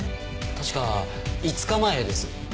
確か５日前です。